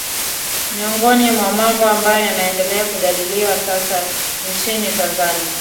Miongoni mwa mambo ambayo yanaendelea kujadiliwa sasa nchini Tanzania